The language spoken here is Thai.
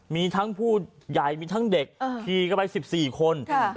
มีทั้งผู้ใหญ่มีทั้งเด็กเอ่อทีกลับไปสิบสี่คนค่ะ